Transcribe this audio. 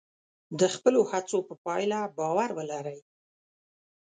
د خپلو هڅو په پایله باور ولرئ.